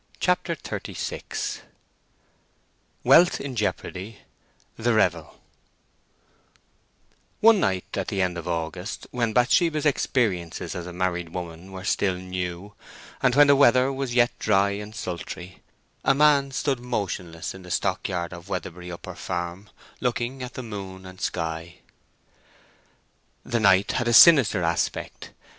CHAPTER XXXVI WEALTH IN JEOPARDY—THE REVEL One night, at the end of August, when Bathsheba's experiences as a married woman were still new, and when the weather was yet dry and sultry, a man stood motionless in the stockyard of Weatherbury Upper Farm, looking at the moon and sky. The night had a sinister aspect.